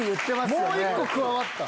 もう１個加わった。